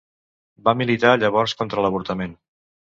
Va militar llavors contra l'avortament.